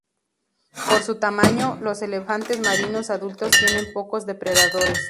Por su tamaño, los elefantes marinos adultos tienen pocos depredadores.